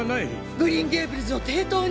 グリーン・ゲイブルズを抵当に！？